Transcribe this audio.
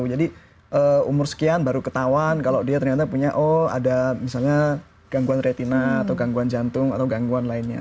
jadi umur sekian baru ketahuan kalau dia ternyata punya oh ada misalnya gangguan retina atau gangguan jantung atau gangguan lainnya